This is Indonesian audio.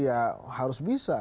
ya harus bisa